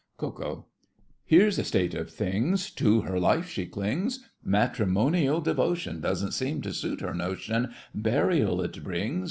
KO. Here's a state of things To her life she clings! Matrimonial devotion Doesn't seem to suit her notion— Burial it brings!